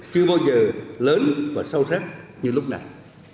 chưa bao giờ lớn và sâu sắc như lúc này